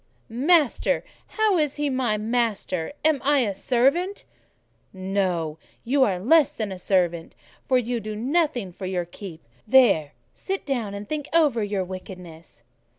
"Master! How is he my master? Am I a servant?" "No; you are less than a servant, for you do nothing for your keep. There, sit down, and think over your wickedness."